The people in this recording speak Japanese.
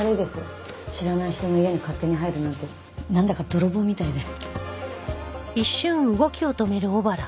知らない人の家に勝手に入るなんてなんだか泥棒みたいで。